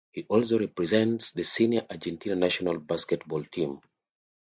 He also represents the senior Argentina national basketball team.